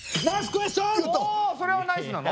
おそれはナイスなの？